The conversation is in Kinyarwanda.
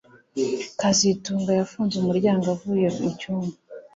kazitunga yafunze umuryango avuye mucyumba